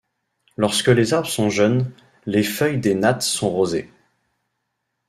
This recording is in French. Lorsque les arbres sont jeunes, les feuilles des nattes sont rosées.